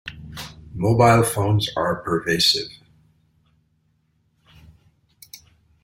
Mobile phones are pervasive.